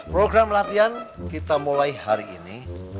program latihan kita mulai hari ini